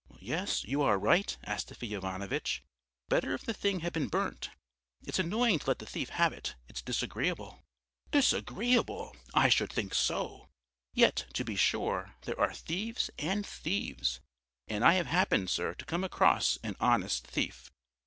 "Yes, you are right, Astafy Ivanovitch, better if the thing had been burnt; it's annoying to let the thief have it, it's disagreeable." "Disagreeable! I should think so! Yet, to be sure, there are thieves and thieves. And I have happened, sir, to come across an honest thief."